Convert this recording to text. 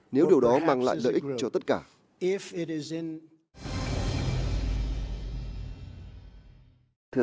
nếu điều đó mang lại lợi ích cho tất cả